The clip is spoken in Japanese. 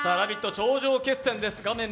頂上決戦です。